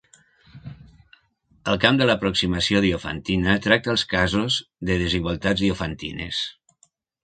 El camp de l'aproximació diofantina tracta els casos de "desigualtats diofantines".